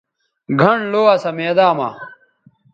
گھنڑ لو اسا میداں مہ